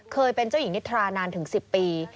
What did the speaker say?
เคยเป็นเจ้าหญิงนิทรานานถึง๑๐ปี